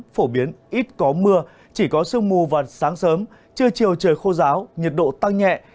phổ biến ít có mưa chỉ có sương mù vào sáng sớm trưa chiều trời khô ráo nhiệt độ tăng nhẹ